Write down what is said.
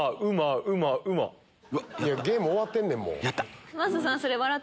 ゲーム終わってんねんもう。